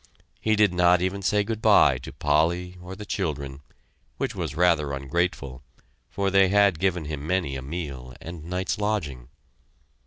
He did not even say good by to Polly or the children, which was rather ungrateful, for they had given him many a meal and night's lodging.